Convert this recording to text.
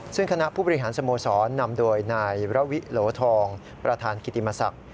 ซึ่งคณะผู้บริหารสโมสรนำโดยนายระวิโหลทองประธานกิติมศักดิ์